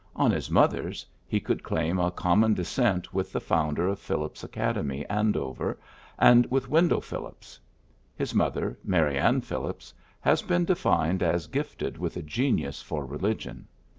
On his mother's, he could claim a common descent with the founder of Phillips Academy, Andover, and with "Wendell Phillips. His mother, Mary Ann Phil lips, has been defined as gifted with a genius for religion.